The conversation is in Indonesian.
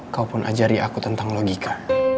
kau pun ajari aku tentang logika